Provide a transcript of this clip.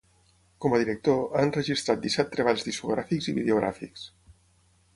Com a director, ha enregistrat disset treballs discogràfics i videogràfics.